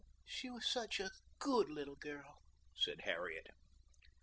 "She was such a good little girl," said Harriet.